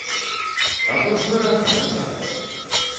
А то ж выразна казаў!